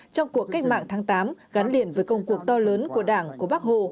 trong cuộc cách mạng tháng tám gắn liền với công cuộc to lớn của đảng của bác hồ